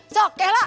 so kek lah